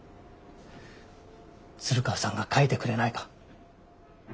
鶴川さんが書いてくれないか？